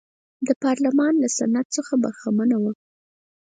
د پارلمان له سنت څخه برخمنه وه.